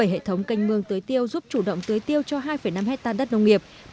bảy hệ thống canh mương tưới tiêu giúp chủ động tưới tiêu cho hai năm hectare đất nông nghiệp